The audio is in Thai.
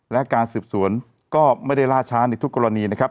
และการสืบสวนก็ไม่ได้ล่าช้าในทุกกรณีนะครับ